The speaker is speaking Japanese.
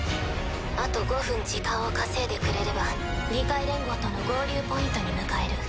あと５分時間を稼いでくれれば議会連合との合流ポイントに向かえる。